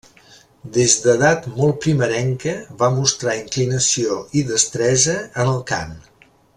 Des d'edat molt primerenca va mostrar inclinació i destresa en el cant.